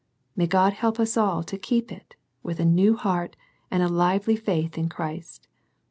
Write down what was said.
May God help us al keep it, with a new heart and a lively fait! Christ